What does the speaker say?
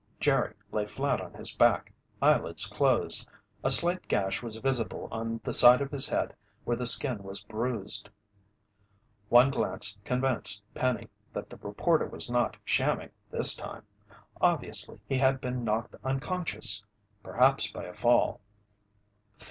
Jerry lay flat on his back, eyelids closed. A slight gash was visible on the side of his head where the skin was bruised. One glance convinced Penny that the reporter was not shamming this time. Obviously, he had been knocked unconscious, perhaps by a fall.